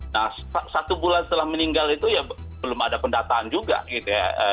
nah satu bulan setelah meninggal itu ya belum ada pendataan juga gitu ya